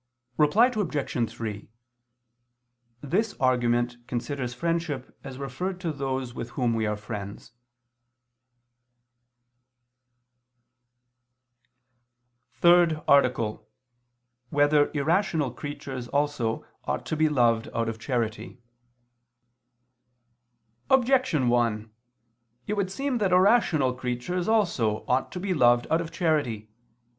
Reply Obj. 3: This argument considers friendship as referred to those with whom we are friends. _______________________ THIRD ARTICLE [II II, Q. 25, Art. 3] Whether Irrational Creatures Also Ought to Be Loved Out of Charity? Objection 1: It would seem that irrational creatures also ought to be loved out of charity.